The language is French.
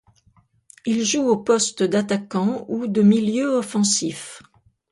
Il joue au poste d'attaquant ou de milieu offensif.